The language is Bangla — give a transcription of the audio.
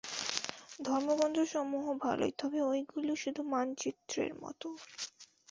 ধর্মগ্রন্থসমূহ ভালই, তবে ঐগুলি শুধু মানচিত্রের মত।